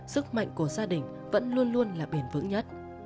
sức mạnh của gia đình vẫn luôn luôn là bền vững nhất